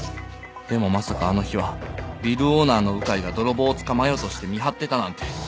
でもまさかあの日はビルオーナーの鵜飼が泥棒を捕まえようとして見張ってたなんて。